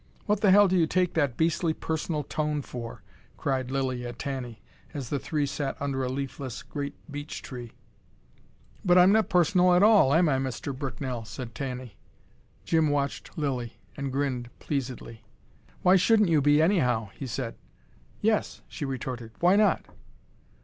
"What the hell do you take that beastly personal tone for?" cried Lilly at Tanny, as the three sat under a leafless great beech tree. "But I'm not personal at all, am I, Mr. Bricknell?" said Tanny. Jim watched Lilly, and grinned pleasedly. "Why shouldn't you be, anyhow?" he said. "Yes!" she retorted. "Why not!"